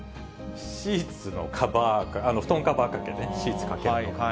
シーツのカバー、布団カバーかけね、シーツかけると。